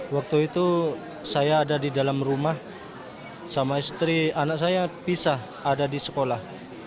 waktu itu saya ada di dalam rumah sama istri anak saya pisah ada di sekolah